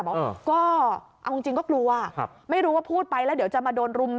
บอกก็เอาจริงก็กลัวไม่รู้ว่าพูดไปแล้วเดี๋ยวจะมาโดนรุม